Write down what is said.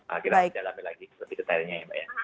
akhirnya dijalankan lagi lebih detailnya ya pak ya